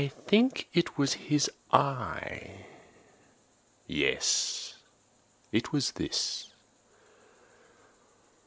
I think it was his eye! yes, it was this!